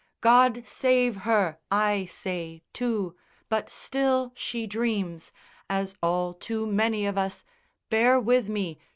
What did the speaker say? _ 'God save her,' I say, too; but still she dreams, As all too many of us bear with me!